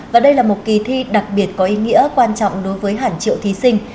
và đây là một kỳ thi đặc biệt có ý nghĩa quan trọng đối với hàng triệu thí sinh